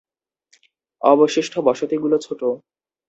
অবশিষ্ট বসতিগুলি ছোট।